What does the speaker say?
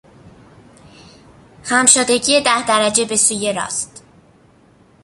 خم شدگی ده درجه به سوی راست